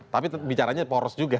tapi bicaranya poros juga